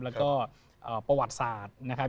แล้วก็ประวัติศาสตร์นะครับ